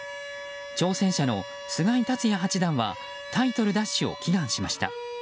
挑戦者の菅井竜也八段はタイトル奪取を祈願しました。